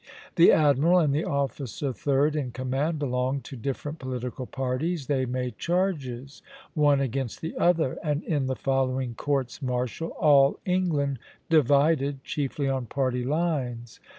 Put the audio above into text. The admiral and the officer third in command belonged to different political parties; they made charges, one against the other, and in the following courts martial all England divided, chiefly on party lines.